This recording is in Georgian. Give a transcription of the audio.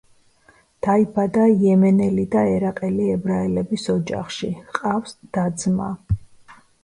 დაიბადა იემენელი და ერაყელი ებრაელების ოჯახში, ჰყავს და-ძმა.